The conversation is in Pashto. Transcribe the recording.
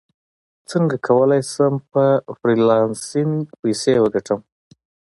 څنګه کولی شم په فریلانسینګ پیسې وګټم